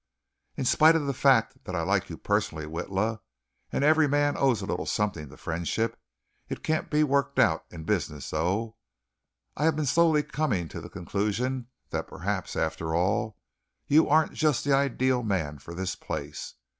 "In spite of the fact that I like you personally, Witla and every man owes a little something to friendship it can't be worked out in business, though I have been slowly coming to the conclusion that perhaps, after all, you aren't just the ideal man for this place.